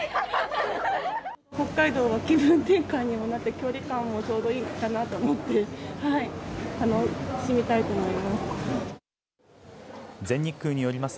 北海道は、気分転換にもなって、距離感もちょうどいいかなと、楽しみたいと思います。